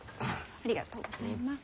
ありがとうございます。